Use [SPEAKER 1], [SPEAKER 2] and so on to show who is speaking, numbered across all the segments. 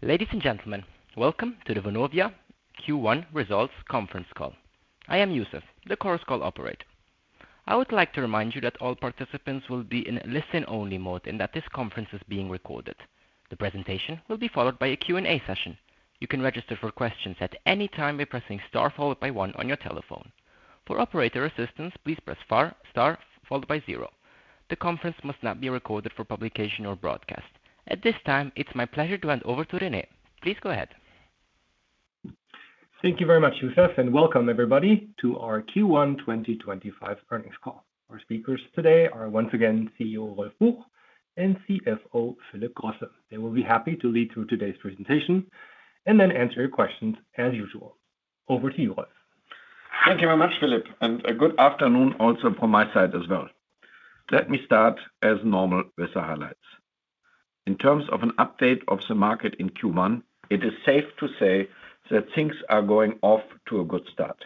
[SPEAKER 1] Ladies and gentlemen, welcome to the Vonovia Q1 Results Conference Call. I am Yusuf, the course call operator. I would like to remind you that all participants will be in listen-only mode and that this conference is being recorded. The presentation will be followed by a Q&A session. You can register for questions at any time by pressing star followed by one on your telephone. For operator assistance, please press star followed by zero. The conference must not be recorded for publication or broadcast. At this time, it's my pleasure to hand over to Rene. Please go ahead.
[SPEAKER 2] Thank you very much, Yusuf, and welcome everybody to our Q1 2025 earnings call. Our speakers today are once again CEO Rolf Buch and CFO Philip Grosse. They will be happy to lead through today's presentation and then answer your questions as usual. Over to you, Rolf.
[SPEAKER 3] Thank you very much, Philip, and a good afternoon also from my side as well. Let me start as normal with the highlights. In terms of an update of the market in Q1, it is safe to say that things are going off to a good start.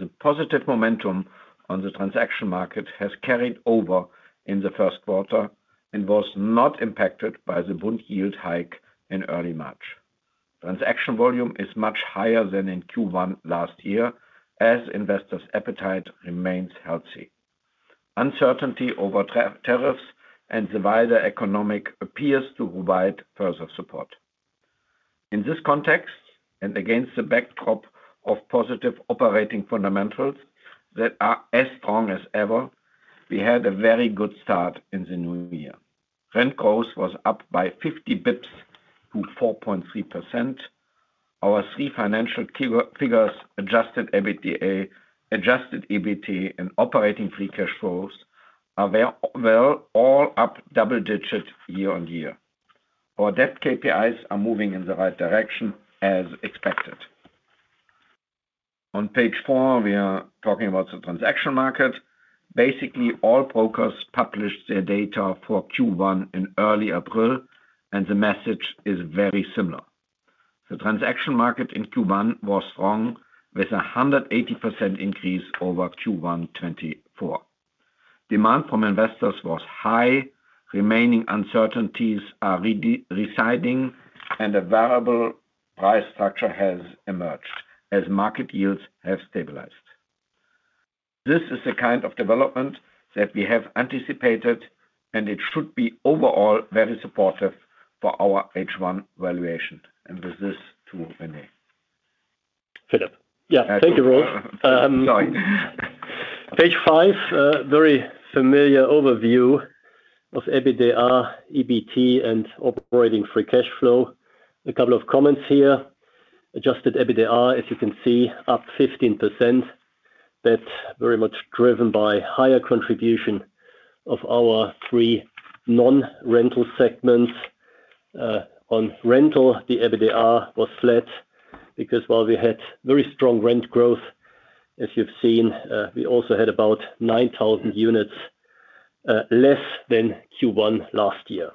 [SPEAKER 3] The positive momentum on the transaction market has carried over in the first quarter and was not impacted by the bond yield hike in early March. Transaction volume is much higher than in Q1 last year as investors' appetite remains healthy. Uncertainty over tariffs and the wider economic appears to provide further support. In this context, and against the backdrop of positive operating fundamentals that are as strong as ever, we had a very good start in the new year. Rent growth was up by 50 basis points, 4.3%. Our three financial figures, adjusted EBT and operating free cash flows, are well all up double-digit year on year. Our debt KPIs are moving in the right direction as expected. On page four, we are talking about the transaction market. Basically, all brokers published their data for Q1 in early April, and the message is very similar. The transaction market in Q1 was strong with a 180% increase over Q1 2024. Demand from investors was high, remaining uncertainties are receding, and a variable price structure has emerged as market yields have stabilized. This is the kind of development that we have anticipated, and it should be overall very supportive for our H1 valuation. With this, to Rene. Philip.
[SPEAKER 4] Yeah, thank you, Rolf. Page five, very familiar overview of EBITDA, EBT, and operating free cash flow. A couple of comments here. Adjusted EBITDA, as you can see, up 15%, but very much driven by higher contribution of our three non-rental segments. On rental, the EBITDA was flat because while we had very strong rent growth, as you've seen, we also had about 9,000 units less than Q1 last year.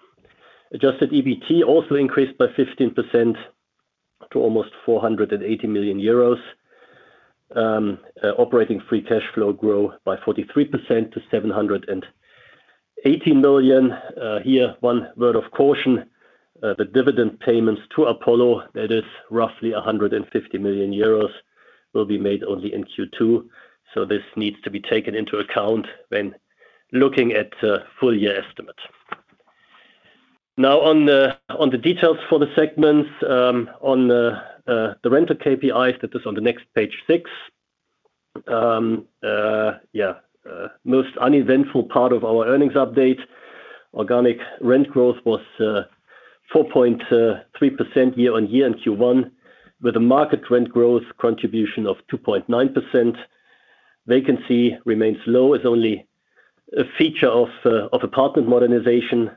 [SPEAKER 4] Adjusted EBT also increased by 15% to almost 480 million euros. Operating free cash flow grew by 43% to 780 million. Here, one word of caution: the dividend payments to Apollo, that is roughly 150 million euros, will be made only in Q2. This needs to be taken into account when looking at full year estimates. Now, on the details for the segments, on the rental KPIs, that is on the next page six. Yeah, most uneventful part of our earnings update. Organic rent growth was 4.3% year-on-year in Q1, with a market rent growth contribution of 2.9%. Vacancy remains low as only a feature of apartment modernization.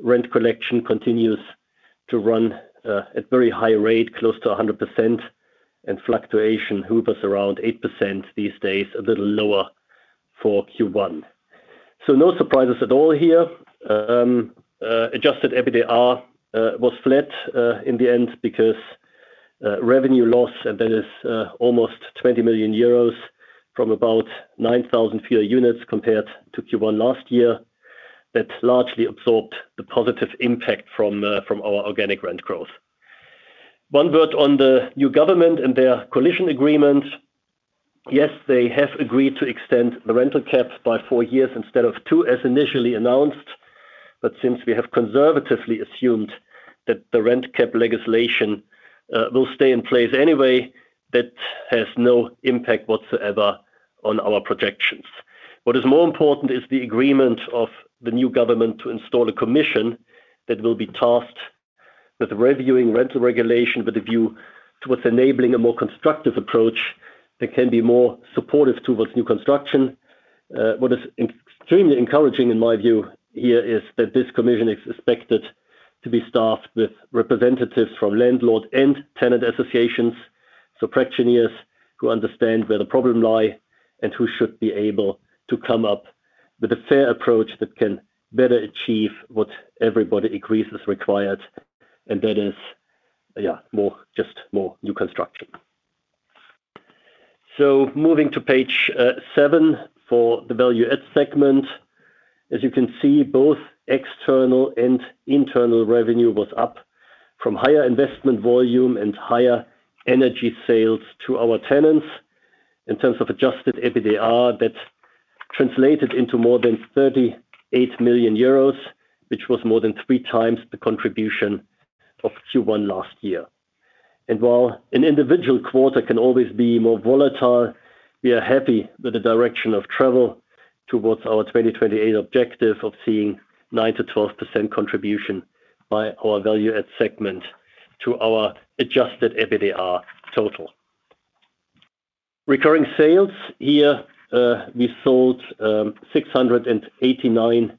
[SPEAKER 4] Rent collection continues to run at a very high rate, close to 100%, and fluctuation hovers around 8% these days, a little lower for Q1. No surprises at all here. Adjusted EBITDA was flat in the end because revenue loss, and that is almost 20 million euros from about 9,000 fewer units compared to Q1 last year, that largely absorbed the positive impact from our organic rent growth. One word on the new government and their coalition agreement. Yes, they have agreed to extend the rental cap by four years instead of two, as initially announced, but since we have conservatively assumed that the rent cap legislation will stay in place anyway, that has no impact whatsoever on our projections. What is more important is the agreement of the new government to install a commission that will be tasked with reviewing rental regulation with a view towards enabling a more constructive approach that can be more supportive towards new construction. What is extremely encouraging, in my view, here is that this commission is expected to be staffed with representatives from landlord and tenant associations, so practitioners who understand where the problem lies and who should be able to come up with a fair approach that can better achieve what everybody agrees is required, and that is, yeah, just more new construction. Moving to page seven for the value-add segment. As you can see, both external and internal revenue was up from higher investment volume and higher energy sales to our tenants. In terms of adjusted EBITDA, that translated into more than 38 million euros, which was more than three times the contribution of Q1 last year. While an individual quarter can always be more volatile, we are happy with the direction of travel towards our 2028 objective of seeing 9%-12% contribution by our value-add segment to our adjusted EBITDA total. Recurring sales here, we sold 689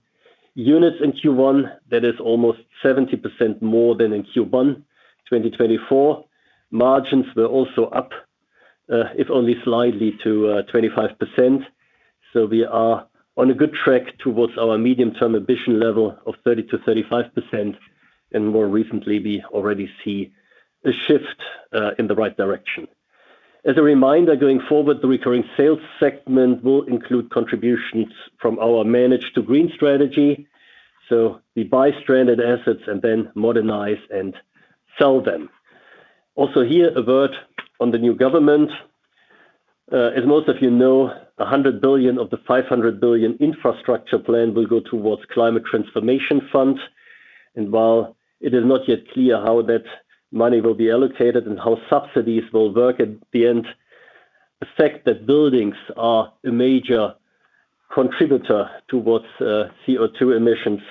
[SPEAKER 4] units in Q1. That is almost 70% more than in Q1 2024. Margins were also up, if only slightly, to 25%. We are on a good track towards our medium-term ambition level of 30%-35%. More recently, we already see a shift in the right direction. As a reminder, going forward, the recurring sales segment will include contributions from our managed-to-green strategy. We buy stranded assets and then modernize and sell them. Also here, a word on the new government. As most of you know, 100 billion of the 500 billion infrastructure plan will go towards climate transformation funds. While it is not yet clear how that money will be allocated and how subsidies will work at the end, the fact that buildings are a major contributor towards CO2 emissions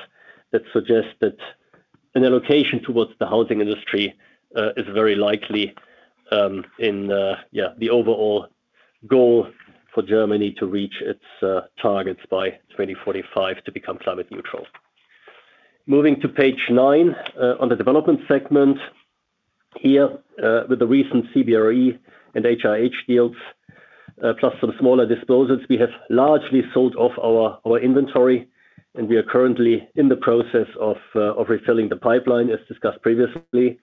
[SPEAKER 4] suggests that an allocation towards the housing industry is very likely in, yeah, the overall goal for Germany to reach its targets by 2045 to become climate neutral. Moving to page nine on the development segment. Here, with the recent CBRE and HIH Real Estate deals, plus some smaller disposals, we have largely sold off our inventory, and we are currently in the process of refilling the pipeline, as discussed previously.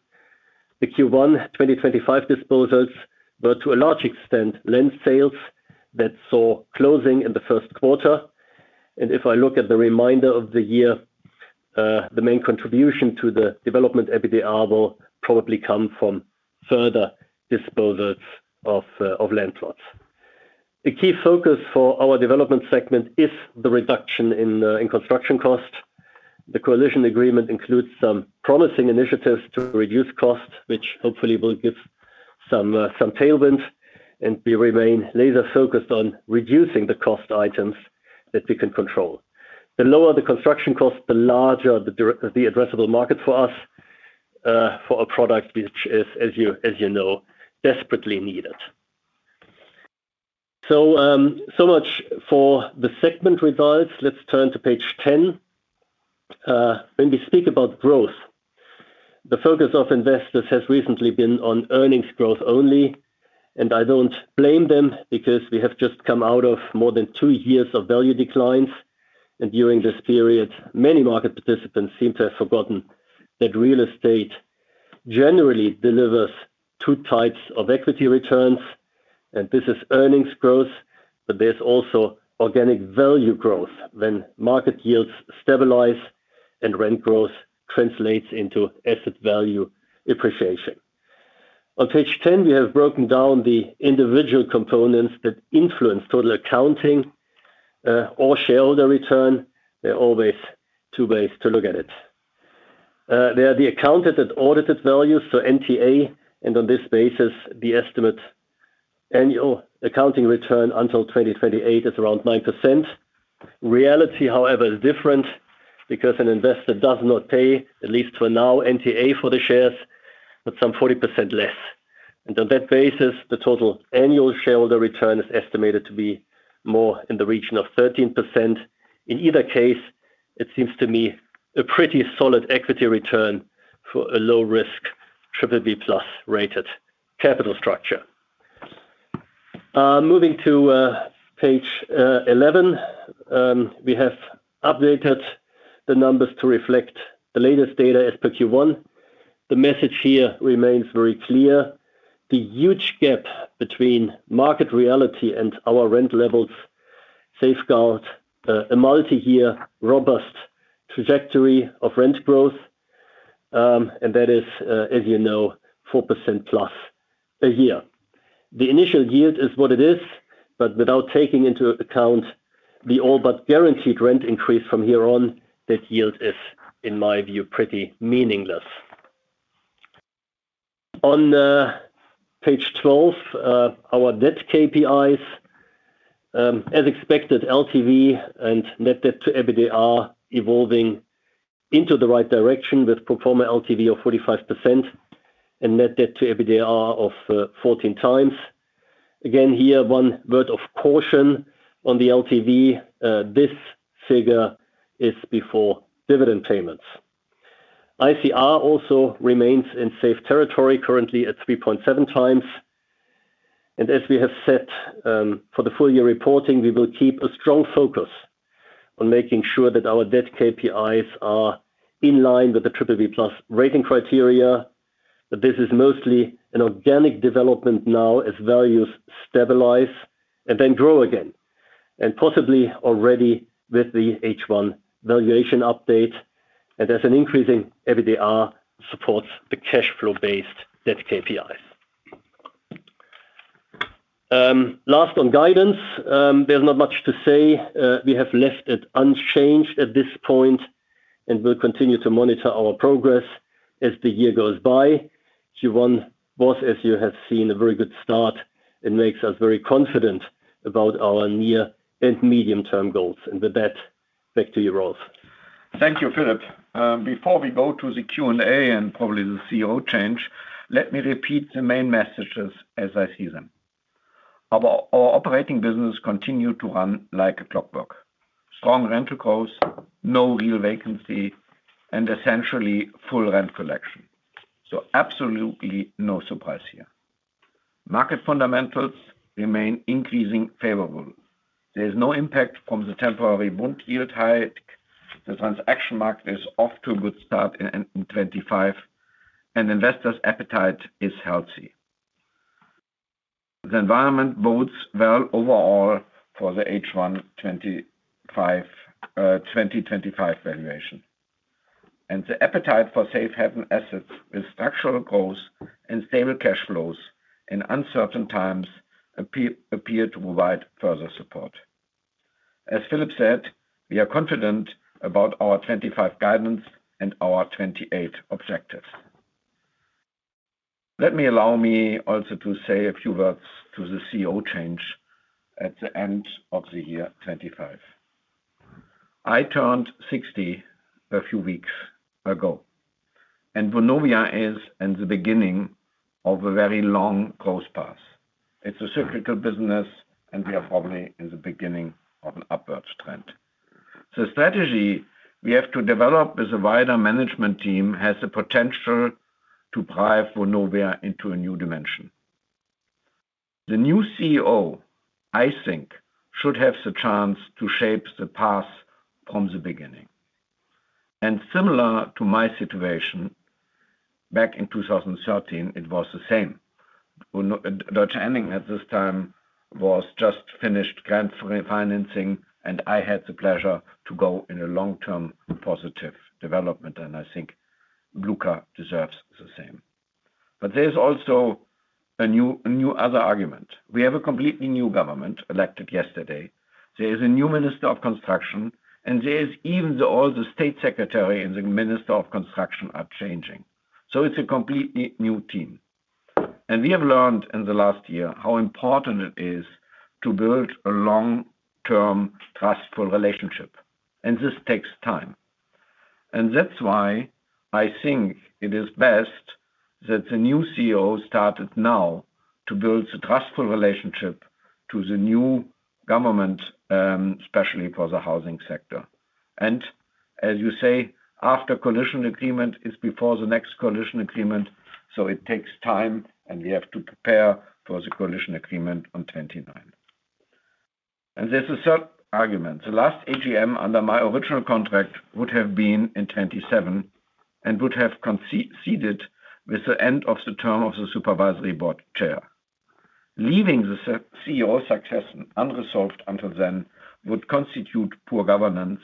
[SPEAKER 4] The Q1 2025 disposals were to a large extent land sales that saw closing in the first quarter. If I look at the reminder of the year, the main contribution to the development EBITDA will probably come from further disposals of landlords. A key focus for our development segment is the reduction in construction cost. The coalition agreement includes some promising initiatives to reduce cost, which hopefully will give some tailwind, and we remain laser-focused on reducing the cost items that we can control. The lower the construction cost, the larger the addressable market for us, for a product which is, as you know, desperately needed. So much for the segment results. Let's turn to page 10. When we speak about growth, the focus of investors has recently been on earnings growth only. I don't blame them because we have just come out of more than two years of value declines. During this period, many market participants seem to have forgotten that real estate generally delivers two types of equity returns. This is earnings growth, but there is also organic value growth when market yields stabilize and rent growth translates into asset value appreciation. On page 10, we have broken down the individual components that influence total accounting or shareholder return. There are always two ways to look at it. There are the accounted and audited values, so NTA, and on this basis, the estimated annual accounting return until 2028 is around 9%. Reality, however, is different because an investor does not pay, at least for now, NTA for the shares, but some 40% less. On that basis, the total annual shareholder return is estimated to be more in the region of 13%. In either case, it seems to me a pretty solid equity return for a low-risk BBB+ rated capital structure. Moving to page 11, we have updated the numbers to reflect the latest data as per Q1. The message here remains very clear. The huge gap between market reality and our rent levels safeguards a multi-year robust trajectory of rent growth. That is, as you know, 4%+ a year. The initial yield is what it is, but without taking into account the all-but guaranteed rent increase from here on, that yield is, in my view, pretty meaningless. On page 12, our debt KPIs. As expected, LTV and net debt to EBITDA are evolving in the right direction with pro forma LTV of 45% and net debt to EBITDA of 14x. Again, here, one word of caution on the LTV. This figure is before dividend payments. ICR also remains in safe territory, currently at 3.7x. As we have said, for the full year reporting, we will keep a strong focus on making sure that our debt KPIs are in line with the BBB+ rating criteria. This is mostly an organic development now as values stabilize and then grow again, possibly already with the H1 valuation update. An increasing EBITDA supports the cash flow-based debt KPIs. Last on guidance, there is not much to say. We have left it unchanged at this point and will continue to monitor our progress as the year goes by. Q1 was, as you have seen, a very good start and makes us very confident about our near and medium-term goals. With that, back to you, Rolf.
[SPEAKER 3] Thank you, Philip. Before we go to the Q&A and probably the CEO change, let me repeat the main messages as I see them. Our operating business continues to run like a clockwork. Strong rental growth, no real vacancy, and essentially full rent collection. Absolutely no surprise here. Market fundamentals remain increasingly favorable. There is no impact from the temporary bond yield hike. The transaction market is off to a good start in 2025, and investors' appetite is healthy. The environment bodes well overall for the H1 2025 valuation. The appetite for safe haven assets with structural growth and stable cash flows in uncertain times appear to provide further support. As Philip said, we are confident about our 2025 guidance and our 2028 objectives. Let me also say a few words to the CEO change at the end of the year 2025. I turned 60 a few weeks ago, and Vonovia is at the beginning of a very long growth path. It's a cyclical business, and we are probably in the beginning of an upward trend. The strategy we have to develop with a wider management team has the potential to drive Vonovia into a new dimension. The new CEO, I think, should have the chance to shape the path from the beginning. Similar to my situation back in 2013, it was the same. Dr. Henning at this time was just finished grant financing, and I had the pleasure to go in a long-term positive development. I think Luka deserves the same. There is also a new other argument. We have a completely new government elected yesterday. There is a new Minister of Construction, and there is even all the state secretary and the Minister of Construction are changing. It is a completely new team. We have learned in the last year how important it is to build a long-term trustful relationship. This takes time. That is why I think it is best that the new CEO started now to build a trustful relationship to the new government, especially for the housing sector. As you say, after coalition agreement is before the next coalition agreement, so it takes time, and we have to prepare for the coalition agreement in 2029. There is a third argument. The last AGM under my original contract would have been in 2027 and would have coincided with the end of the term of the supervisory board chair. Leaving the CEO's succession unresolved until then would constitute poor governance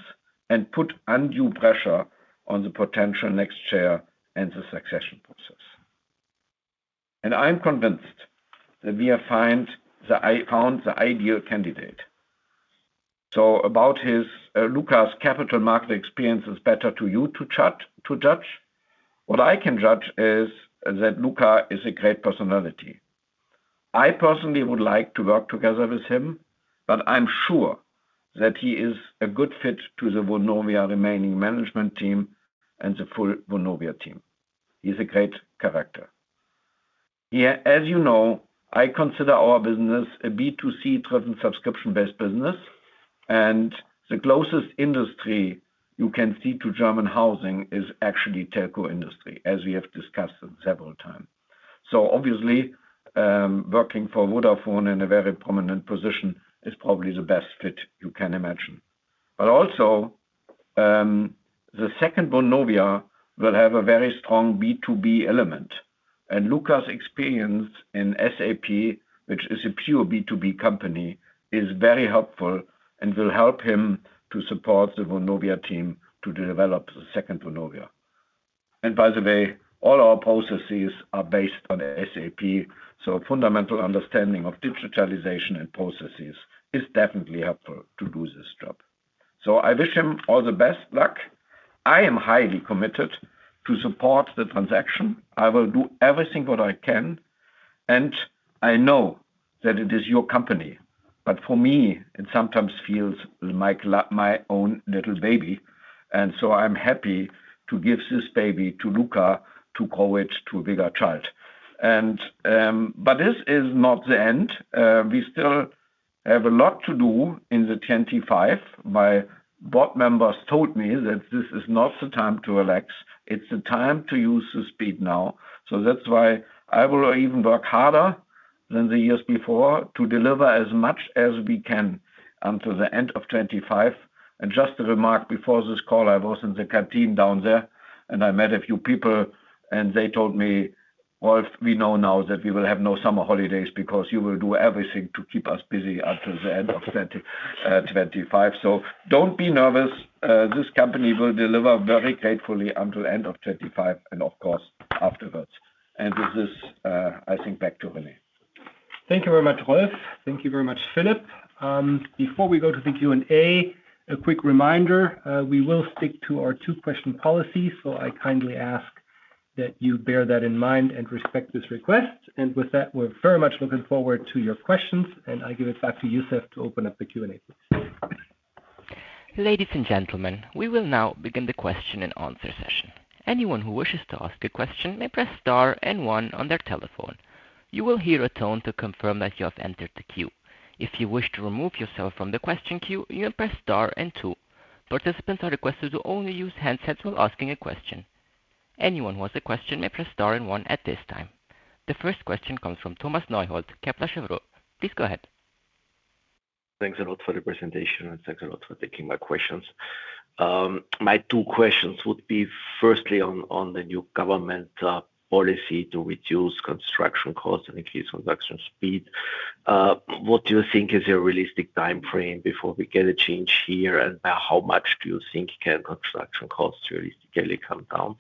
[SPEAKER 3] and put undue pressure on the potential next chair and the succession process. I am convinced that we have found the ideal candidate. About Luka's capital market experience, it's better to you to judge. What I can judge is that Luka is a great personality. I personally would like to work together with him, but I'm sure that he is a good fit to the Vonovia remaining management team and the full Vonovia team. He's a great character. Here, as you know, I consider our business a B2C-driven subscription-based business. The closest industry you can see to German housing is actually telco industry, as we have discussed several times. Obviously, working for Vodafone in a very prominent position is probably the best fit you can imagine. Also, the second Vonovia will have a very strong B2B element. Luka's experience in SAP, which is a pure B2B company, is very helpful and will help him to support the Vonovia team to develop the second Vonovia. By the way, all our processes are based on SAP, so a fundamental understanding of digitalization and processes is definitely helpful to do this job. I wish him all the best luck. I am highly committed to support the transaction. I will do everything what I can. I know that it is your company, but for me, it sometimes feels like my own little baby. I am happy to give this baby to Luka to grow it to a bigger child. This is not the end. We still have a lot to do in 2025. My board members told me that this is not the time to relax. It is the time to use the speed now. That is why I will even work harder than the years before to deliver as much as we can until the end of 2025. Just a remark before this call, I was in the canteen down there, and I met a few people, and they told me, "Rolf, we know now that we will have no summer holidays because you will do everything to keep us busy until the end of 2025." Do not be nervous. This company will deliver very gratefully until the end of 2025 and, of course, afterwards. With this, I think back to Rene.
[SPEAKER 2] Thank you very much, Rolf. Thank you very much, Philip. Before we go to the Q&A, a quick reminder, we will stick to our two-question policy, so I kindly ask that you bear that in mind and respect this request. With that, we're very much looking forward to your questions. I give it back to Yusuf to open up the Q&A, please.
[SPEAKER 1] Ladies and gentlemen, we will now begin the question and answer session. Anyone who wishes to ask a question may press star and one on their telephone. You will hear a tone to confirm that you have entered the queue. If you wish to remove yourself from the question queue, you can press star and two. Participants are requested to only use handsets while asking a question. Anyone who has a question may press star and one at this time. The first question comes from Thomas Neuhold, Kepler Cheuvreux. Please go ahead.
[SPEAKER 5] Thanks a lot for the presentation, and thanks a lot for taking my questions. My two questions would be firstly on the new government policy to reduce construction costs and increase production speed. What do you think is a realistic time frame before we get a change here, and by how much do you think can construction costs realistically come down?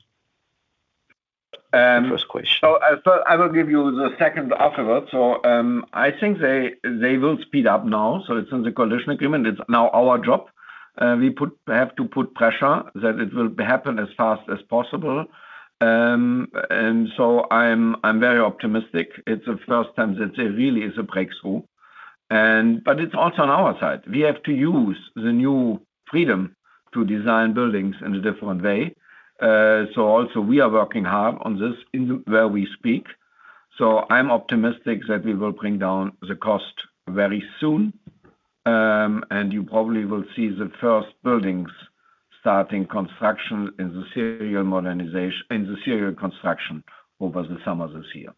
[SPEAKER 5] First question.
[SPEAKER 3] I will give you the second afterwards. I think they will speed up now. It is in the coalition agreement. It is now our job. We have to put pressure that it will happen as fast as possible. I am very optimistic. It is the first time that there really is a breakthrough. It is also on our side. We have to use the new freedom to design buildings in a different way. We are working hard on this where we speak. I am optimistic that we will bring down the cost very soon. You probably will see the first buildings starting construction in the serial construction over the summer this year.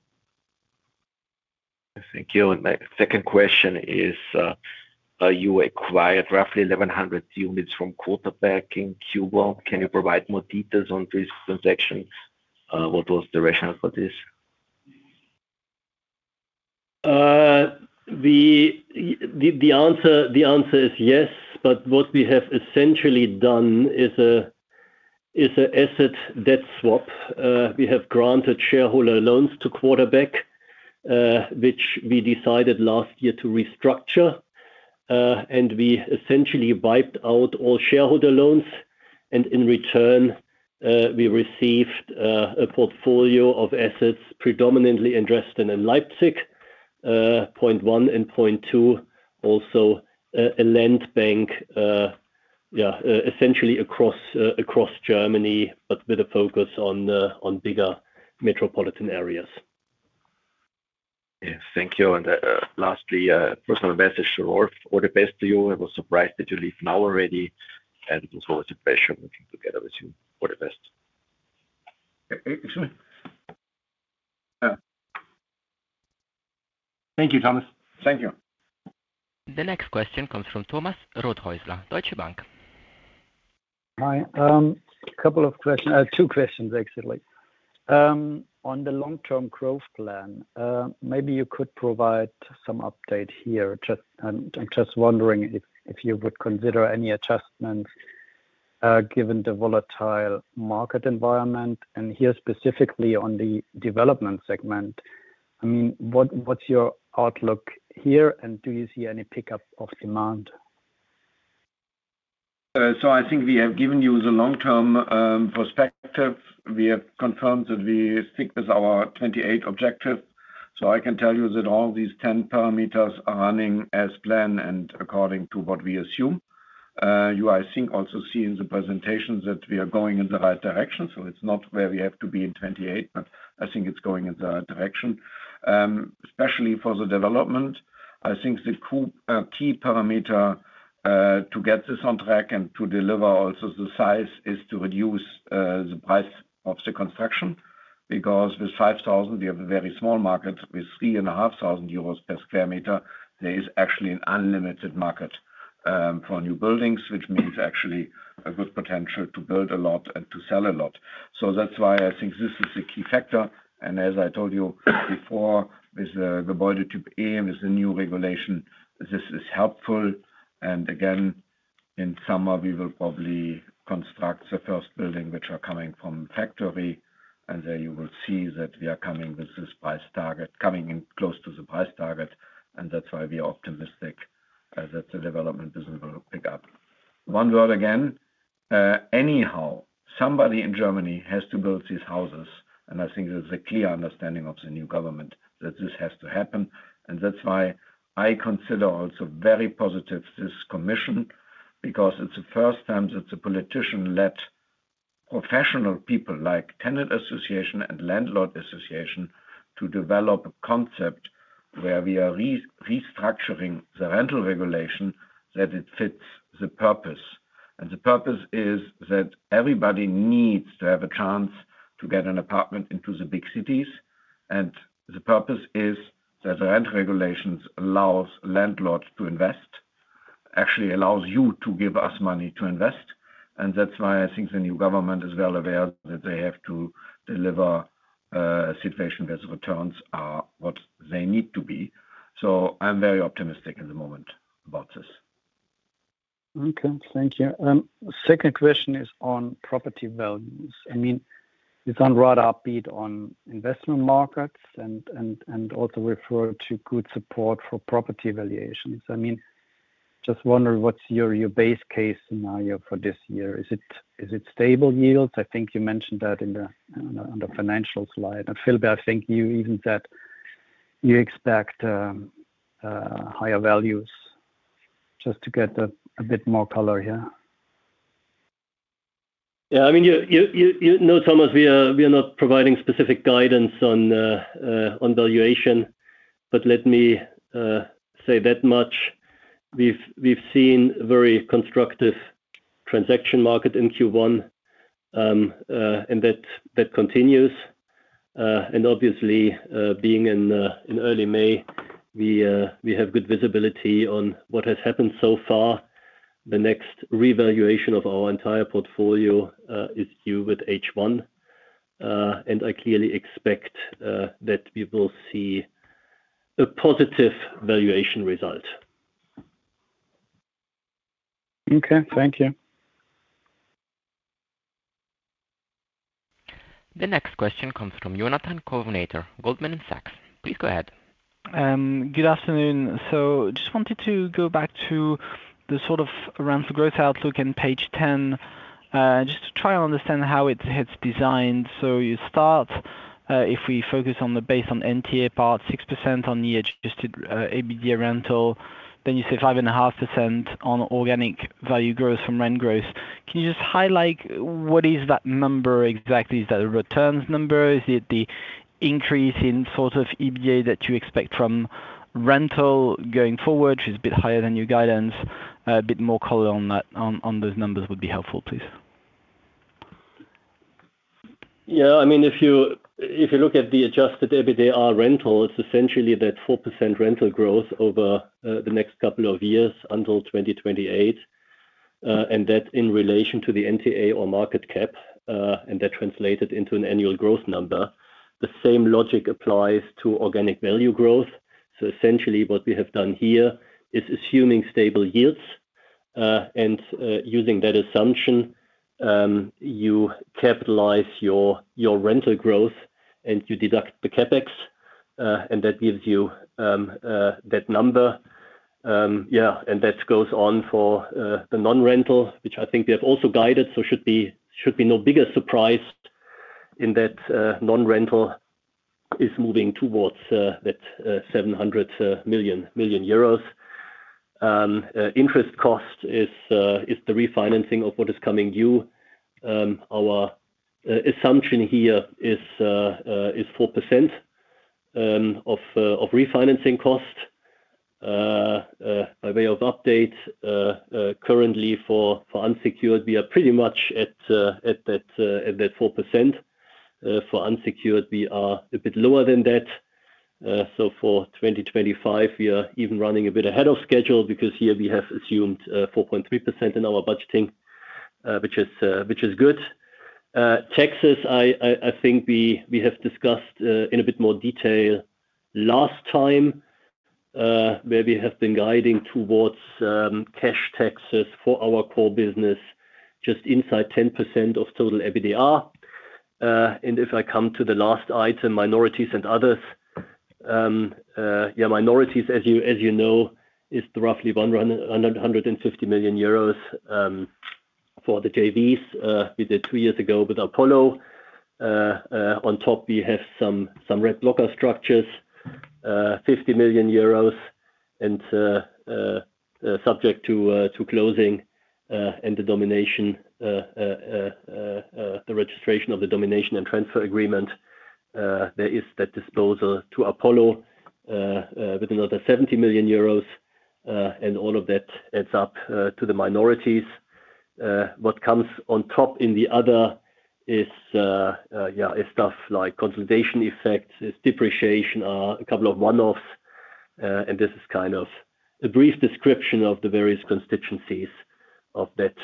[SPEAKER 5] Thank you. My second question is, you acquired roughly 1,100 units from Quarterback in Q1. Can you provide more details on this transaction? What was the rationale for this?
[SPEAKER 4] The answer is yes, but what we have essentially done is an asset debt swap. We have granted shareholder loans to Quarterback, which we decided last year to restructure. We essentially wiped out all shareholder loans. In return, we received a portfolio of assets predominantly in Dresden and Leipzig, point one, and point two, also a land bank, essentially across Germany, but with a focus on bigger metropolitan areas.
[SPEAKER 5] Yes, thank you. Lastly, personal message to Rolf. All the best to you. I was surprised that you leave now already. It was always a pleasure working together with you. All the best.
[SPEAKER 3] Thank you, Thomas. Thank you.
[SPEAKER 1] The next question comes from Thomas Rothaeusler, Deutsche Bank.
[SPEAKER 6] Hi. A couple of questions. Two questions, actually. On the long-term growth plan, maybe you could provide some update here. I'm just wondering if you would consider any adjustments given the volatile market environment. Here specifically on the development segment, I mean, what's your outlook here, and do you see any pickup of demand?
[SPEAKER 3] I think we have given you the long-term perspective. We have confirmed that we stick with our 2028 objective. I can tell you that all these 10 parameters are running as planned and according to what we assume. You, I think, also see in the presentation that we are going in the right direction. It's not where we have to be in 2028, but I think it's going in the right direction. Especially for the development, I think the key parameter to get this on track and to deliver also the size is to reduce the price of the construction because with 5,000, we have a very small market. With 3,500 euros per sq m, there is actually an unlimited market for new buildings, which means actually a good potential to build a lot and to sell a lot. That is why I think this is a key factor. As I told you before, with the Boiler Tube A, with the new regulation, this is helpful. Again, in summer, we will probably construct the first building which is coming from factory. There you will see that we are coming with this price target, coming in close to the price target. That is why we are optimistic that the development business will pick up. One word again. Anyhow, somebody in Germany has to build these houses. I think there is a clear understanding of the new government that this has to happen. That is why I consider also very positive this commission because it is the first time that a politician led professional people like tenant association and landlord association to develop a concept where we are restructuring the rental regulation that it fits the purpose. The purpose is that everybody needs to have a chance to get an apartment into the big cities. The purpose is that the rental regulations allow landlords to invest, actually allow you to give us money to invest. That is why I think the new government is well aware that they have to deliver a situation where the returns are what they need to be. I am very optimistic in the moment about this.
[SPEAKER 6] Okay, thank you. Second question is on property values. I mean, you sound rather upbeat on investment markets and also refer to good support for property valuations. I mean, just wondering what's your base case scenario for this year? Is it stable yields? I think you mentioned that in the financial slide. And Philipp, I think you even said you expect higher values just to get a bit more color here.
[SPEAKER 4] Yeah, I mean, you know, Thomas, we are not providing specific guidance on valuation, but let me say that much. We've seen a very constructive transaction market in Q1, and that continues. Obviously, being in early May, we have good visibility on what has happened so far. The next revaluation of our entire portfolio is due with H1. I clearly expect that we will see a positive valuation result.
[SPEAKER 6] Okay, thank you.
[SPEAKER 1] The next question comes from Jonathan Kownator, Goldman Sachs. Please go ahead.
[SPEAKER 7] Good afternoon. I just wanted to go back to the sort of rental growth outlook in page 10, just to try and understand how it's designed. If we focus on the base on NTA part, 6% on year-adjusted EBITDA rental, then you say 5.5% on organic value growth from rent growth. Can you just highlight what is that number exactly? Is that a returns number? Is it the increase in sort of EBITDA that you expect from rental going forward, which is a bit higher than your guidance? A bit more color on those numbers would be helpful, please.
[SPEAKER 4] Yeah, I mean, if you look at the adjusted EBITDA rental, it's essentially that 4% rental growth over the next couple of years until 2028. And that in relation to the NTA or market cap, and that translated into an annual growth number. The same logic applies to organic value growth. Essentially, what we have done here is assuming stable yields. Using that assumption, you capitalize your rental growth and you deduct the CapEx. That gives you that number. Yeah, and that goes on for the non-rental, which I think we have also guided. It should be no bigger surprise in that non-rental is moving towards that 700 million. Interest cost is the refinancing of what is coming due. Our assumption here is 4% of refinancing cost. By way of update, currently for unsecured, we are pretty much at that 4%. For unsecured, we are a bit lower than that. For 2025, we are even running a bit ahead of schedule because here we have assumed 4.3% in our budgeting, which is good. Taxes, I think we have discussed in a bit more detail last time where we have been guiding towards cash taxes for our core business, just inside 10% of total EBITDA. If I come to the last item, minorities and others. Yeah, minorities, as you know, is roughly 150 million euros for the JVs we did two years ago with Apollo. On top, we have some red blocker structures, 50 million euros, and subject to closing and the registration of the domination and transfer agreement, there is that disposal to Apollo with another 70 million euros. All of that adds up to the minorities. What comes on top in the other is, yeah, stuff like consolidation effects, depreciation, a couple of one-offs. This is kind of a brief description of the various constituencies of that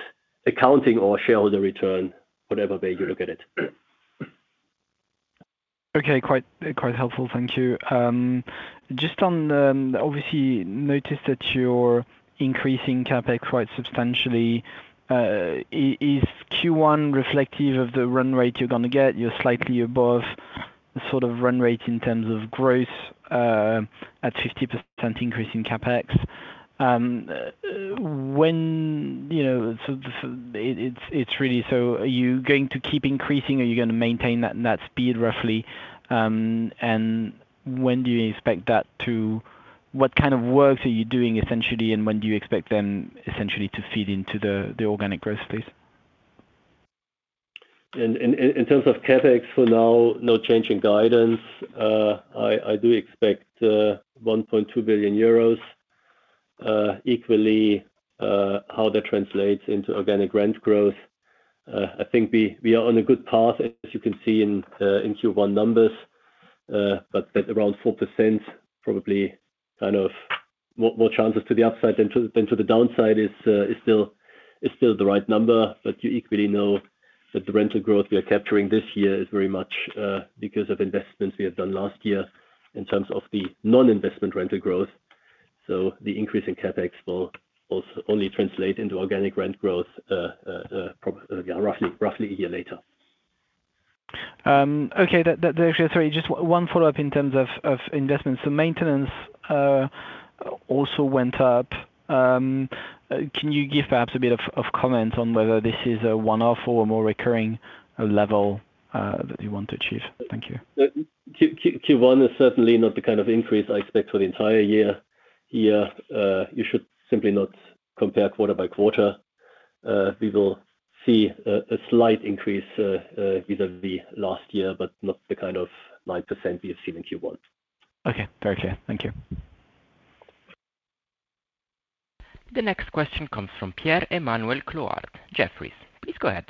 [SPEAKER 4] accounting or shareholder return, whatever way you look at it.
[SPEAKER 7] Okay, quite helpful. Thank you. Just obviously noticed that you're increasing CapEx quite substantially. Is Q1 reflective of the run rate you're going to get? You're slightly above sort of run rate in terms of growth at 50% increase in CapEx. Is it really, are you going to keep increasing? Are you going to maintain that speed roughly? What kind of work are you doing essentially? When do you expect them essentially to feed into the organic growth space?
[SPEAKER 4] In terms of CapEx for now, no change in guidance. I do expect 1.2 billion euros. Equally, how that translates into organic rent growth. I think we are on a good path, as you can see in Q1 numbers. Around 4%, probably kind of more chances to the upside than to the downside, is still the right number. You equally know that the rental growth we are capturing this year is very much because of investments we have done last year in terms of the non-investment rental growth. The increase in CapEx will also only translate into organic rent growth roughly a year later.
[SPEAKER 7] Okay, sorry, just one follow-up in terms of investments. Maintenance also went up. Can you give perhaps a bit of comment on whether this is a one-off or a more recurring level that you want to achieve? Thank you.
[SPEAKER 4] Q1 is certainly not the kind of increase I expect for the entire year. You should simply not compare quarter by quarter. We will see a slight increase vis-à-vis last year, but not the kind of 9% we have seen in Q1.
[SPEAKER 7] Okay, very clear. Thank you.
[SPEAKER 1] The next question comes from Pierre-Emmanuel Clouard, Jefferies. Please go ahead.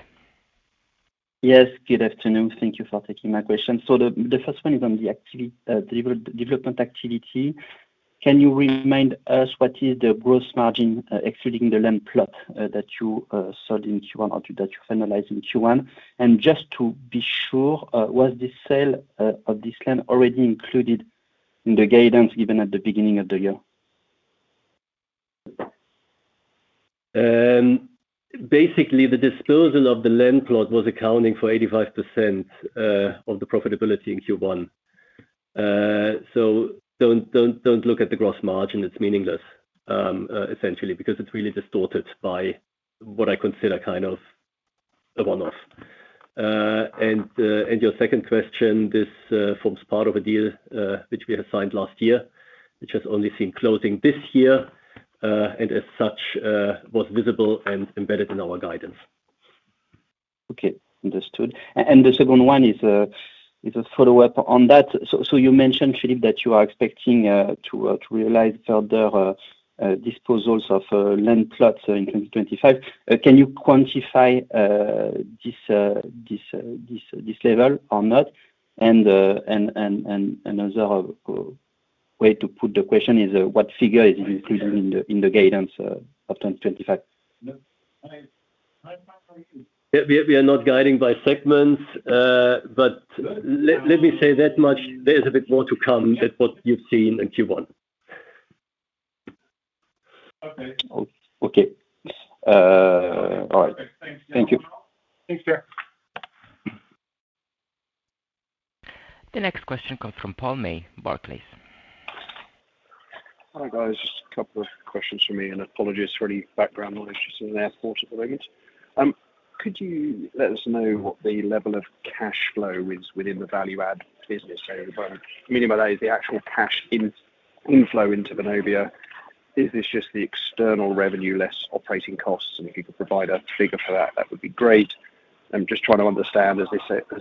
[SPEAKER 8] Yes, good afternoon. Thank you for taking my question. The first one is on the development activity. Can you remind us what is the gross margin excluding the land plot that you sold in Q1 or that you finalized in Q1? Just to be sure, was the sale of this land already included in the guidance given at the beginning of the year?
[SPEAKER 4] Basically, the disposal of the land plot was accounting for 85% of the profitability in Q1. Do not look at the gross margin. It is meaningless, essentially, because it is really distorted by what I consider kind of a one-off. Your second question, this forms part of a deal which we have signed last year, which has only seen closing this year. As such, it was visible and embedded in our guidance.
[SPEAKER 8] Okay, understood. The second one is a follow-up on that. You mentioned, Philip, that you are expecting to realize further disposals of land plots in 2025. Can you quantify this level or not? Another way to put the question is what figure is included in the guidance of 2025?
[SPEAKER 4] We are not guiding by segments, but let me say that much. There is a bit more to come than what you've seen in Q1.
[SPEAKER 8] Okay.
[SPEAKER 4] Thanks, Pierre.
[SPEAKER 1] The next question comes from Paul May, Barclays.
[SPEAKER 9] Hi guys, just a couple of questions for me and apologies for any background noise. Just in an airport at the moment. Could you let us know what the level of cash flow is within the value-add business? Meaning by that is the actual cash inflow into Vonovia. Is this just the external revenue, less operating costs? If you could provide a figure for that, that would be great. I'm just trying to understand as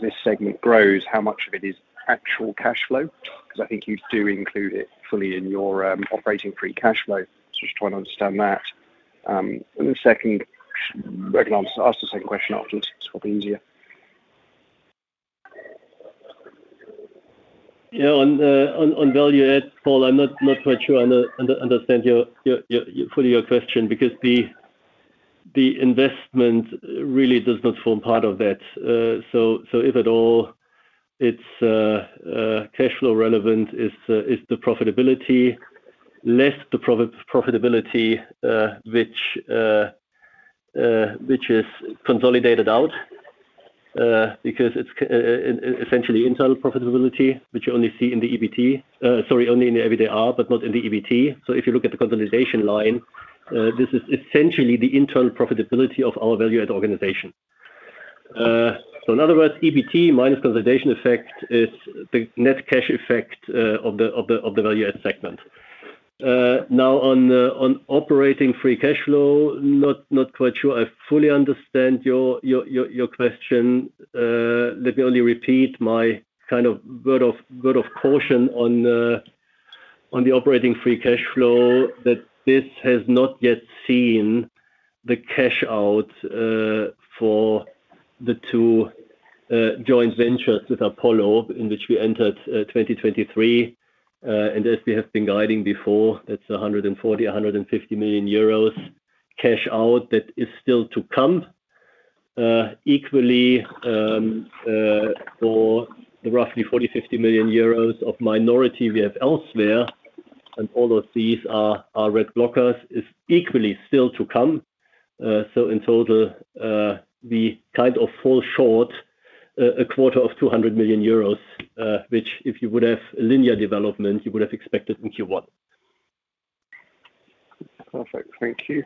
[SPEAKER 9] this segment grows, how much of it is actual cash flow? I think you do include it fully in your operating free cash flow. Just trying to understand that. The second, I can ask the second question afterwards to make it easier.
[SPEAKER 4] Yeah, on value-add, Paul, I'm not quite sure I understand fully your question because the investment really does not form part of that. If at all, it's cash flow relevant, is the profitability less the profitability which is consolidated out? Because it's essentially internal profitability, which you only see in the EBITDA, but not in the EBT. If you look at the consolidation line, this is essentially the internal profitability of our value-add organization. In other words, EBT minus consolidation effect is the net cash effect of the value-add segment. Now, on operating free cash flow, not quite sure I fully understand your question. Let me only repeat my kind of word of caution on the operating free cash flow that this has not yet seen the cash out for the two joint ventures with Apollo in which we entered 2023. As we have been guiding before, that is 140 million-150 million euros cash out that is still to come. Equally, for the roughly 40 million-50 million euros of minority we have elsewhere, and all of these are red blockers, is equally still to come. In total, we kind of fall short a quarter of 200 million euros, which if you would have a linear development, you would have expected in Q1.
[SPEAKER 9] Perfect. Thank you.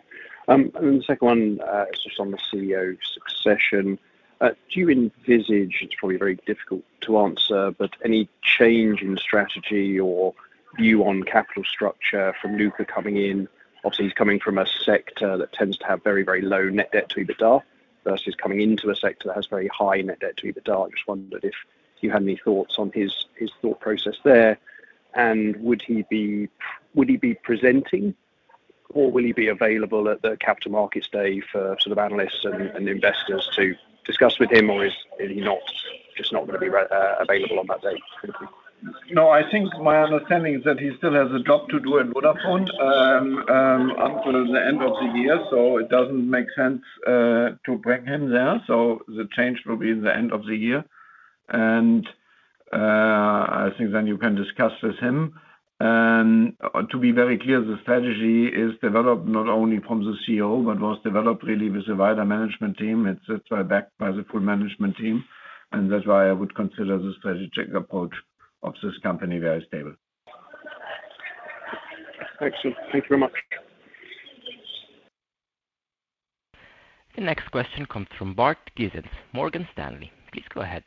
[SPEAKER 9] The second one is just on the CEO succession. Do you envisage, it's probably very difficult to answer, but any change in strategy or view on capital structure from Luka coming in? Obviously, he's coming from a sector that tends to have very, very low net debt to EBITDA versus coming into a sector that has very high net debt to EBITDA. I just wondered if you had any thoughts on his thought process there. Would he be presenting or will he be available at the Capital Markets Day for sort of analysts and investors to discuss with him, or is he just not going to be available on that day? Thank you.
[SPEAKER 3] No, I think my understanding is that he still has a job to do at Vodafone until the end of the year. It doesn't make sense to bring him there. The change will be in the end of the year. I think then you can discuss with him. To be very clear, the strategy is developed not only from the CEO, but was developed really with the wider management team. It's backed by the full management team. That's why I would consider the strategic approach of this company very stable.
[SPEAKER 9] Excellent. Thank you very much.
[SPEAKER 1] The next question comes from Bart Gysens, Morgan Stanley. Please go ahead.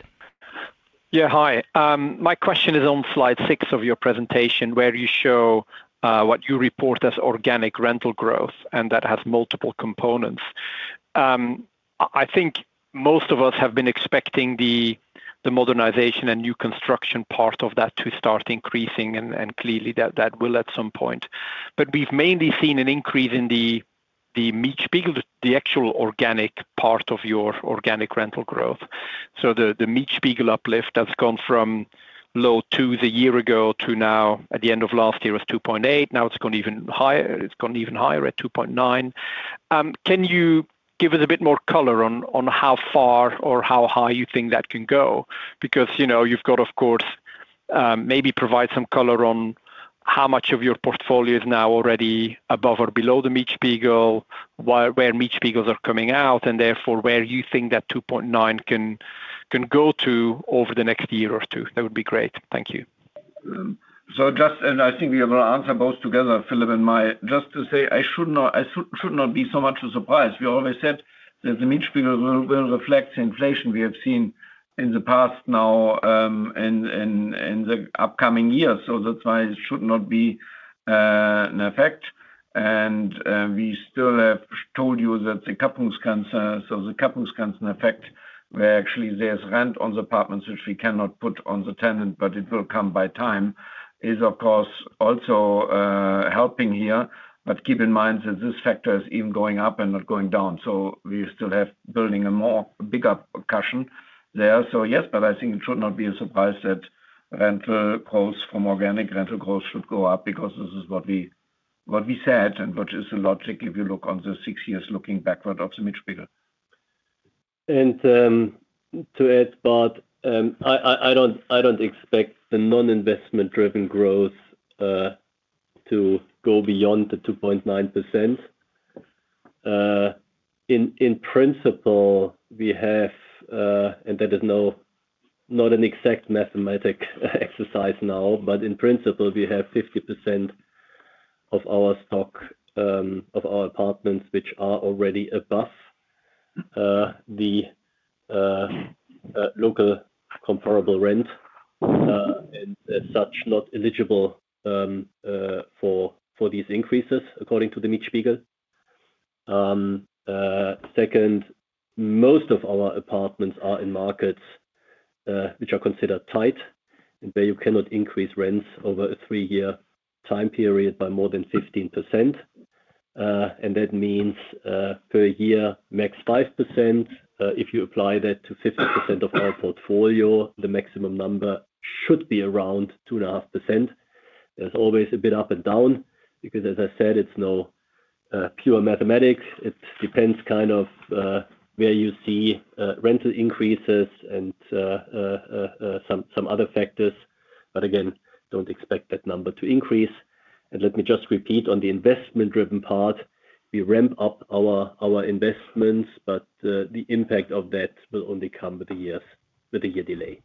[SPEAKER 10] Yeah, hi. My question is on slide six of your presentation where you show what you report as organic rental growth, and that has multiple components. I think most of us have been expecting the modernization and new construction part of that to start increasing, and clearly that will at some point. We have mainly seen an increase in the actual organic part of your organic rental growth. The Mietspiegel uplift has gone from low twos a year ago to now, at the end of last year, was 2.8%. Now it has gone even higher. It has gone even higher at 2.9%. Can you give us a bit more color on how far or how high you think that can go? Because you've got, of course, maybe provide some color on how much of your portfolio is now already above or below the Mietspiegel, where Mietspiegels are coming out, and therefore where you think that 2.9% can go to over the next year or two. That would be great. Thank you.
[SPEAKER 3] Just, and I think we will answer both together, Philip and I, just to say I should not be so much a surprise. We always said that the Mietspiegel will reflect the inflation we have seen in the past now and in the upcoming years. That's why it should not be an effect. We still have told you that the Capital Markets effect, where actually there's rent on the apartments which we cannot put on the tenant, but it will come by time, is of course also helping here. Keep in mind that this factor is even going up and not going down. We still have building a bigger cushion there. Yes, but I think it should not be a surprise that rental growth from organic rent growth should go up because this is what we said and which is the logic if you look on the six years looking backward of the Mietspiegel.
[SPEAKER 4] To add, Bart, I do not expect the non-investment-driven growth to go beyond the 2.9%. In principle, we have, and that is not an exact mathematic exercise now, but in principle, we have 50% of our stock of our apartments which are already above the local comparable rent. As such, not eligible for these increases according to the Mietspiegel. Second, most of our apartments are in markets which are considered tight, where you cannot increase rents over a three-year time period by more than 15%. That means per year max 5%. If you apply that to 50% of our portfolio, the maximum number should be around 2.5%. There's always a bit up and down because, as I said, it's no pure mathematics. It depends kind of where you see rental increases and some other factors. Again, don't expect that number to increase. Let me just repeat on the investment-driven part. We ramp up our investments, but the impact of that will only come with the year delay.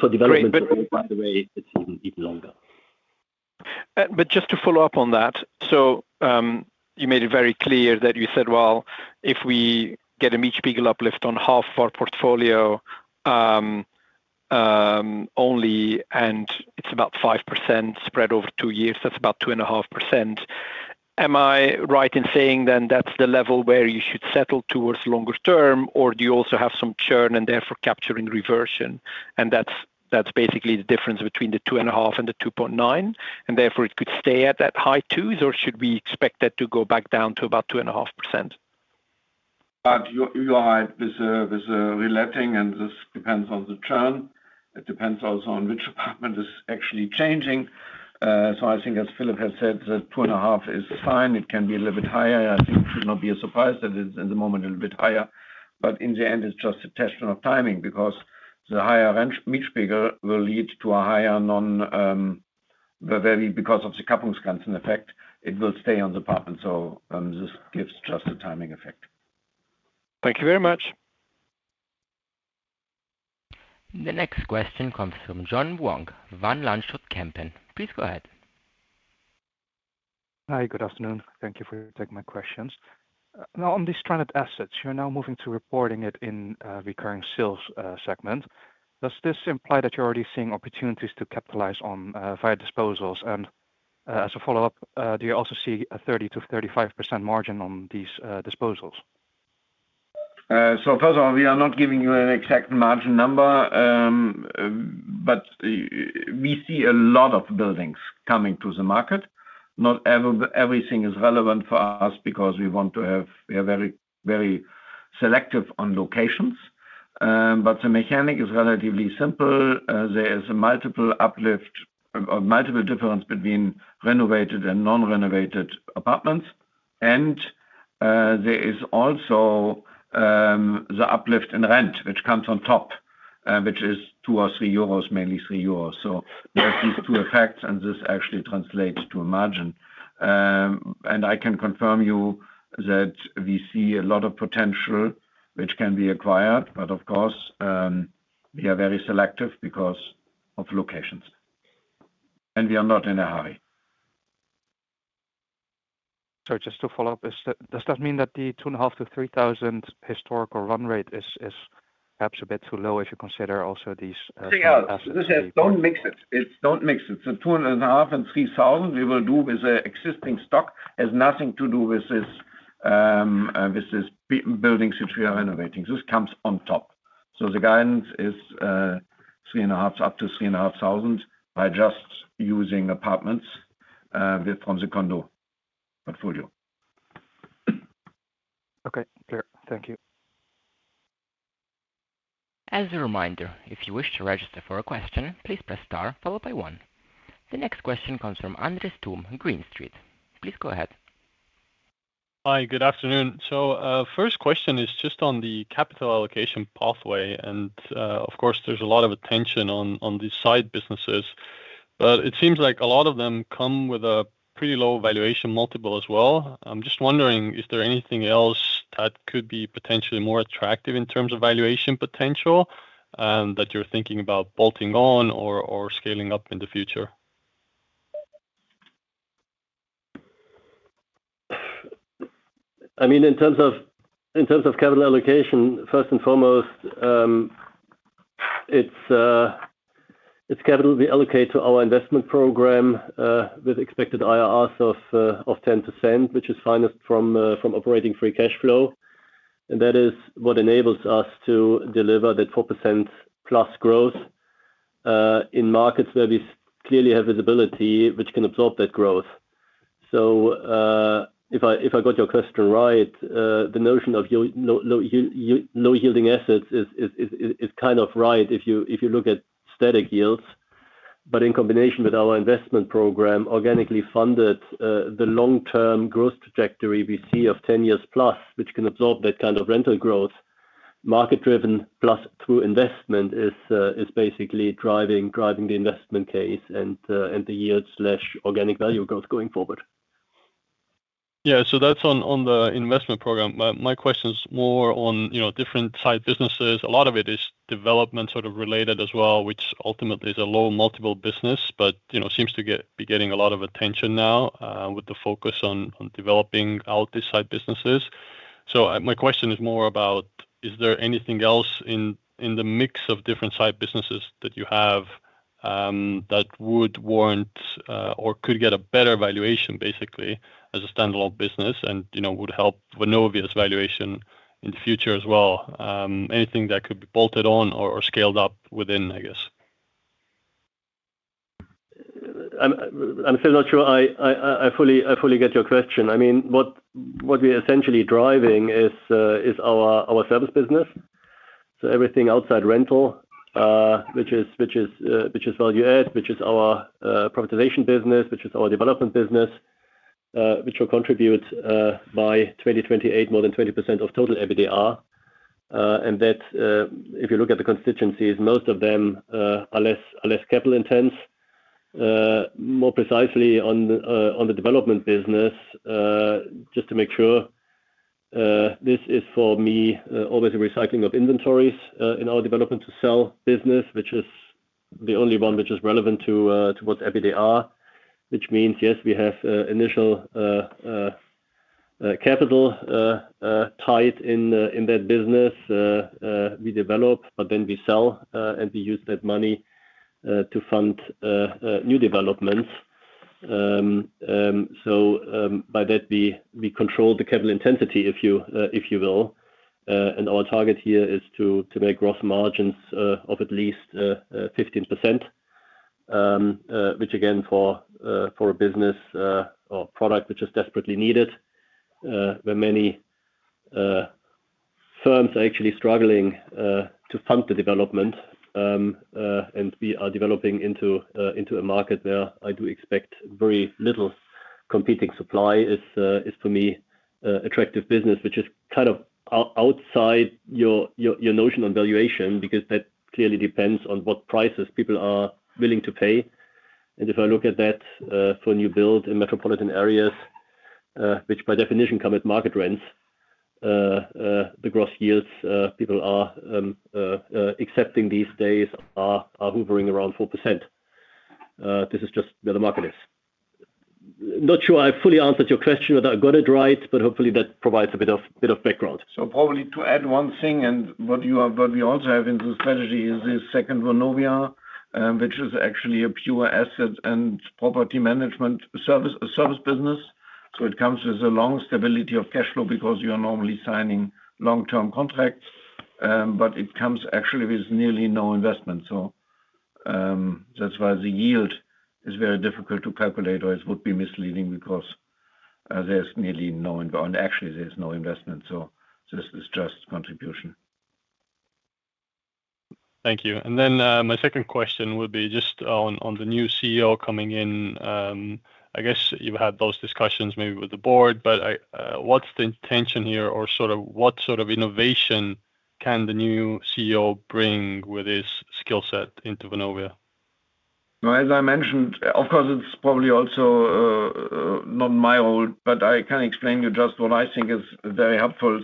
[SPEAKER 4] For development, by the way, it's even longer.
[SPEAKER 10] Just to follow up on that, you made it very clear that you said, if we get a Mietspiegel uplift on half of our portfolio only, and it's about 5% spread over two years, that's about 2.5%. Am I right in saying then that's the level where you should settle towards longer term, or do you also have some churn and therefore capturing reversion? That's basically the difference between the 2.5% and the 2.9%. Therefore, it could stay at that high twos, or should we expect that to go back down to about 2.5%?
[SPEAKER 3] Your hype, there's a relating, and this depends on the churn. It depends also on which apartment is actually changing. I think, as Philip has said, that 2.5% is fine. It can be a little bit higher. I think it should not be a surprise that it's at the moment a little bit higher. In the end, it's just a question of timing because the higher Mietspiegel will lead to a higher non because of the capital markets effect. It will stay on the apartment. This gives just a timing effect.
[SPEAKER 10] Thank you very much.
[SPEAKER 1] The next question comes from John Vuong, Van Lanschot Kempen. Please go ahead.
[SPEAKER 11] Hi, good afternoon. Thank you for taking my questions. Now, on these stranded assets, you're now moving to reporting it in recurring sales segment. Does this imply that you're already seeing opportunities to capitalize on via disposals? As a follow-up, do you also see a 30%-35% margin on these disposals?
[SPEAKER 3] First of all, we are not giving you an exact margin number, but we see a lot of buildings coming to the market. Not everything is relevant for us because we want to have, we are very, very selective on locations. The mechanic is relatively simple. There is a multiple uplift or multiple difference between renovated and non-renovated apartments. There is also the uplift in rent, which comes on top, which is two or three euros, mainly three euros. There are these two effects, and this actually translates to a margin. I can confirm you that we see a lot of potential which can be acquired. Of course, we are very selective because of locations. We are not in a hurry.
[SPEAKER 11] Just to follow up, does that mean that the 2,500-3,000 historical run rate is perhaps a bit too low if you consider also these?
[SPEAKER 3] This is don't mix it. It's don't mix it. 2,500 and 3,000 we will do with the existing stock, has nothing to do with this building which we are renovating. This comes on top. The guidance is 3.5 up to 3.5 thousand by just using apartments from the condo portfolio.
[SPEAKER 11] Okay, clear. Thank you.
[SPEAKER 1] As a reminder, if you wish to register for a question, please press star followed by one. The next question comes from Andres Toome, Green Street. Please go ahead.
[SPEAKER 12] Hi, good afternoon. First question is just on the capital allocation pathway. Of course, there's a lot of attention on these side businesses, but it seems like a lot of them come with a pretty low valuation multiple as well. I'm just wondering, is there anything else that could be potentially more attractive in terms of valuation potential that you're thinking about bolting on or scaling up in the future?
[SPEAKER 4] I mean, in terms of capital allocation, first and foremost, it's capital we allocate to our investment program with expected IRRs of 10%, which is financed from operating free cash flow. That is what enables us to deliver that 4%+ growth in markets where we clearly have visibility which can absorb that growth. If I got your question right, the notion of low-yielding assets is kind of right if you look at static yields. In combination with our investment program, organically funded, the long-term growth trajectory we see of 10 years plus, which can absorb that kind of rental growth, market-driven plus through investment is basically driving the investment case and the yield/organic value growth going forward.
[SPEAKER 12] Yeah, so that's on the investment program. My question is more on different side businesses. A lot of it is development sort of related as well, which ultimately is a low multiple business, but seems to be getting a lot of attention now with the focus on developing out these side businesses. My question is more about, is there anything else in the mix of different side businesses that you have that would warrant or could get a better valuation basically as a standalone business and would help with an obvious valuation in the future as well? Anything that could be bolted on or scaled up within, I guess?
[SPEAKER 4] I'm still not sure I fully get your question. I mean, what we're essentially driving is our service business. So everything outside rental, which is value add, which is our privatization business, which is our development business, which will contribute by 2028 more than 20% of total EBITDA. If you look at the constituencies, most of them are less capital intense. More precisely on the development business, just to make sure, this is for me always a recycling of inventories in our development to sell business, which is the only one which is relevant to what EBITDA are, which means, yes, we have initial capital tied in that business we develop, but then we sell and we use that money to fund new developments. By that, we control the capital intensity, if you will. Our target here is to make gross margins of at least 15%, which again, for a business or product which is desperately needed, where many firms are actually struggling to fund the development. We are developing into a market where I do expect very little competing supply is for me attractive business, which is kind of outside your notion on valuation because that clearly depends on what prices people are willing to pay. If I look at that for new build in metropolitan areas, which by definition come at market rents, the gross yields people are accepting these days are hovering around 4%. This is just where the market is. Not sure I fully answered your question whether I got it right, but hopefully that provides a bit of background.
[SPEAKER 3] Probably to add one thing, and what we also have in the strategy is this second Vonovia, which is actually a pure asset and property management service business. It comes with a long stability of cash flow because you're normally signing long-term contracts, but it comes actually with nearly no investment. That's why the yield is very difficult to calculate, or it would be misleading because there's nearly no investment. Actually, there's no investment. This is just contribution.
[SPEAKER 12] Thank you. My second question would be just on the new CEO coming in. I guess you've had those discussions maybe with the board, but what's the intention here or sort of what sort of innovation can the new CEO bring with his skill set into Vonovia?
[SPEAKER 3] As I mentioned, of course, it's probably also not my role, but I can explain to you just what I think is very helpful.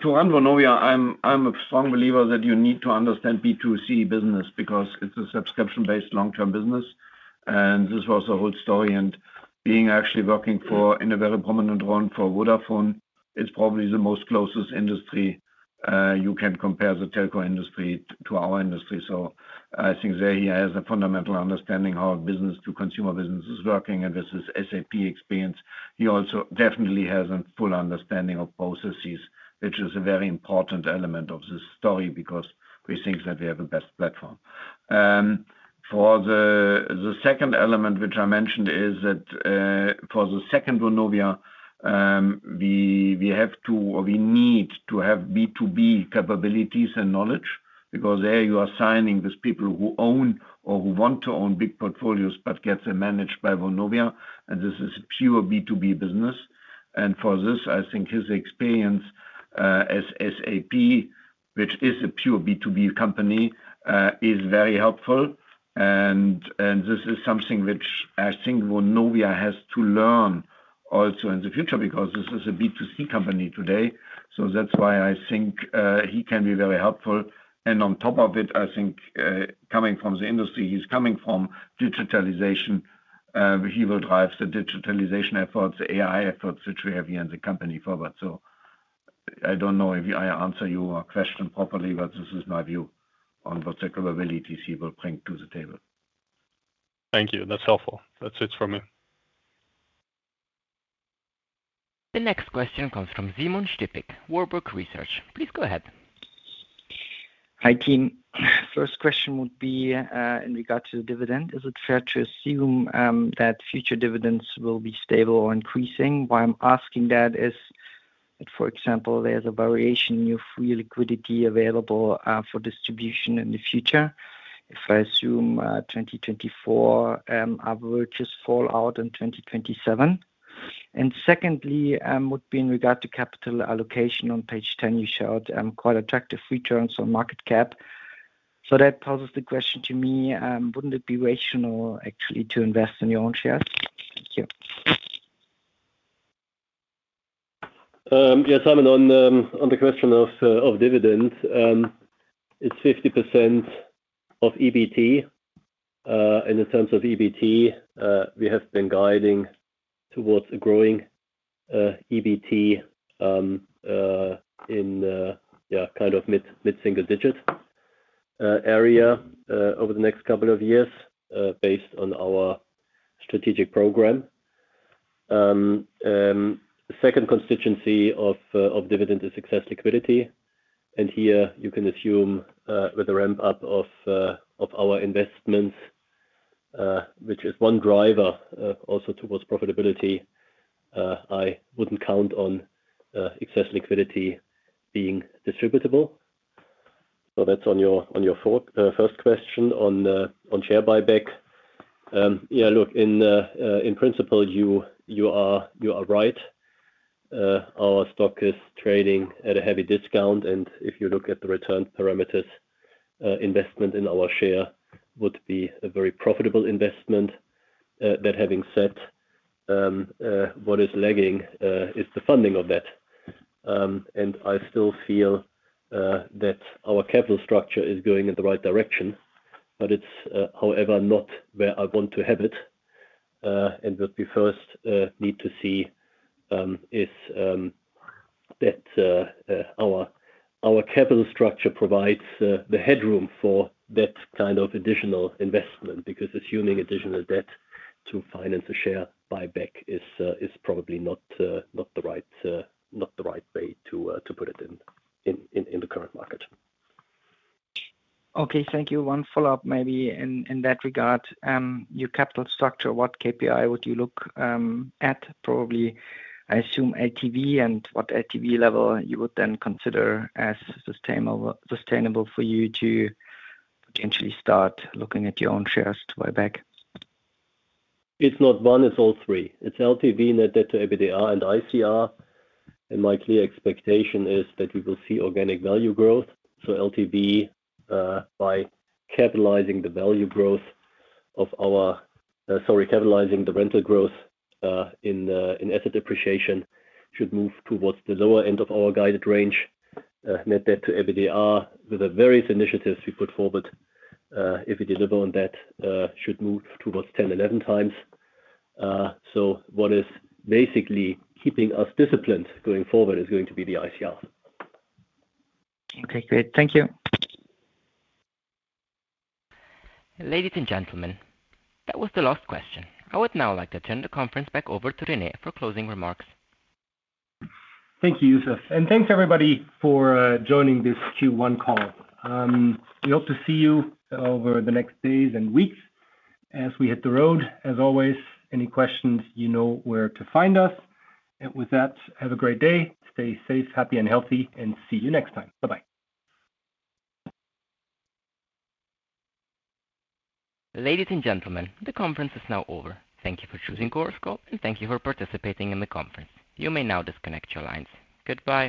[SPEAKER 3] To run Vonovia, I'm a strong believer that you need to understand B2C business because it's a subscription-based long-term business. This was the whole story. Being actually working in a very prominent role for Vodafone, it's probably the most closest industry you can compare the telco industry to our industry. I think Zahi has a fundamental understanding how a business to consumer business is working. This is SAP experience. He also definitely has a full understanding of processes, which is a very important element of this story because we think that we have the best platform. For the second element, which I mentioned, is that for the second Vonovia, we have to or we need to have B2B capabilities and knowledge because there you are signing with people who own or who want to own big portfolios, but get them managed by Vonovia. This is a pure B2B business. For this, I think his experience at SAP, which is a pure B2B company, is very helpful. This is something which I think Vonovia has to learn also in the future because this is a B2C company today. That is why I think he can be very helpful. On top of it, I think coming from the industry he is coming from, digitalization, he will drive the digitalization efforts, the AI efforts which we have here in the company forward. I don't know if I answer your question properly, but this is my view on what technical abilities he will bring to the table.
[SPEAKER 12] Thank you. That's helpful. That's it for me.
[SPEAKER 1] The next question comes from Simon Stippig, Warburg Research. Please go ahead.
[SPEAKER 13] Hi team. First question would be in regard to the dividend. Is it fair to assume that future dividends will be stable or increasing? Why I'm asking that is that, for example, there's a variation in your free liquidity available for distribution in the future. If I assume 2024, our work just fall out in 2027. Secondly, would be in regard to capital allocation. On page 10, you showed quite attractive returns on market cap. That poses the question to me, wouldn't it be rational actually to invest in your own shares? Thank you.
[SPEAKER 4] Yes, Simon, on the question of dividends, it's 50% of EBITDA. In terms of EBITDA, we have been guiding towards a growing EBITDA in kind of mid-single digit area over the next couple of years based on our strategic program. Second constituency of dividend is excess liquidity. Here you can assume with the ramp-up of our investments, which is one driver also towards profitability, I wouldn't count on excess liquidity being distributable. That's on your first question on share buyback. Yeah, look, in principle, you are right. Our stock is trading at a heavy discount. If you look at the return parameters, investment in our share would be a very profitable investment. That having said, what is lagging is the funding of that. I still feel that our capital structure is going in the right direction, but it's however not where I want to have it. What we first need to see is that our capital structure provides the headroom for that kind of additional investment because assuming additional debt to finance a share buyback is probably not the right way to put it in the current market.
[SPEAKER 13] Okay, thank you. One follow-up maybe in that regard. Your capital structure, what KPI would you look at? Probably, I assume, LTV and what LTV level you would then consider as sustainable for you to potentially start looking at your own shares to buy back?
[SPEAKER 4] It's not one, it's all three. It's LTV, net debt to EBITDA, and ICR. My clear expectation is that we will see organic value growth. LTV by capitalizing the rental growth in asset depreciation should move towards the lower end of our guided range. Net debt to EBITDA with the various initiatives we put forward, if we deliver on that, should move towards 10x-11x. What is basically keeping us disciplined going forward is going to be the ICR.
[SPEAKER 13] Okay, great. Thank you.
[SPEAKER 1] Ladies and gentlemen, that was the last question. I would now like to turn the conference back over to Rene for closing remarks.
[SPEAKER 2] Thank you, Yusuf. Thank you, everybody, for joining this Q1 call. We hope to see you over the next days and weeks as we hit the road. As always, any questions, you know where to find us. With that, have a great day. Stay safe, happy, and healthy, and see you next time. Bye-bye.
[SPEAKER 1] Ladies and gentlemen, the conference is now over. Thank you for choosing Gorse Group, and thank you for participating in the conference. You may now disconnect your lines. Goodbye.